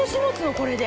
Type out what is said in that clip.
これで。